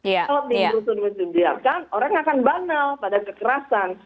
kalau diurus urus dunia kan orang akan banal pada kekerasan